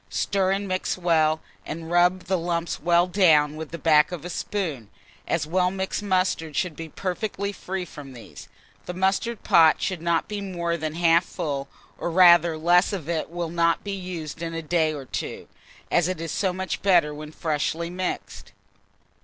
Stir and mix well, and rub the lumps well down with the back of a spoon, as well mixed mustard should be perfectly free from these. The mustard pot should not be more than half full, or rather less if it will not be used in a day or two, as it is so much better when freshly mixed.